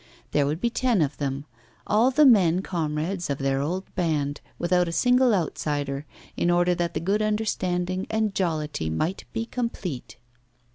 There would be ten of them all the men comrades of the old band, without a single outsider, in order that the good understanding and jollity might be complete.